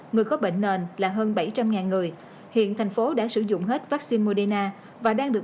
người có bệnh nền là hơn bảy trăm linh người hiện thành phố đã sử dụng hết vaccine moderna và đang được